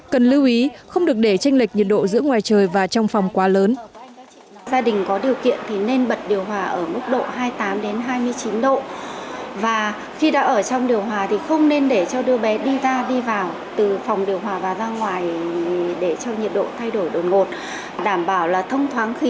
cần lưu ý không được để tranh lệch nhiệt độ giữa ngoài trời và trong phòng quá lớn